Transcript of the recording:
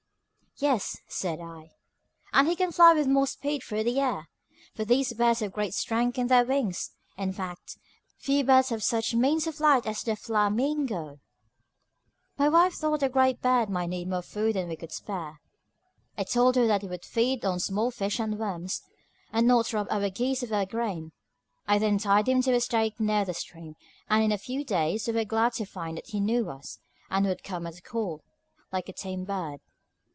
"Yes," said I, "and he can fly with more speed through the air, for these birds have great strength in their wings. In fact, few birds have such means of flight as the FLA MIN GO." My wife thought the great bird might need more food than we could spare. I told her that it would feed on small fish and worms, and not rob our geese of their grain. I then tied him to a stake near the stream; and in a few days we were glad to find that he knew us, and would come at a call, like a tame bird.